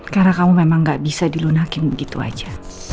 karena kamu memang gak bisa dilunakin begitu aja